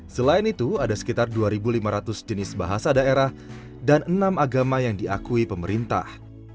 selain itu ada sekitar dua lima ratus jenis bahasa daerah dan enam agama yang diakui pemerintah